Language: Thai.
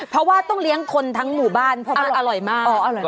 เพราะว่าต้องเลี้ยงคนทั้งหมู่บ้านเพราะมันอร่อยมาก